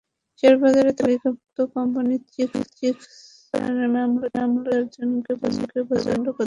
শেয়ারবাজারের তালিকাভুক্ত কোম্পানি চিক টেক্সটাইলের মামলায় দুজনকে চার বছরের কারাদণ্ড দেওয়া হয়েছে।